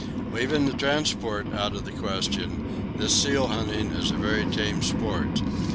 Leaving the transport out of the question, this seal hunting is a very tame sport.